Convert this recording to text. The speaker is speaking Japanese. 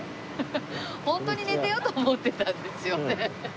ホントに寝てようと思ってたんですよね。